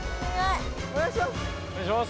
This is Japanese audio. お願いします！